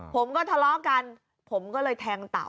ผมก็ทะเลาะกัน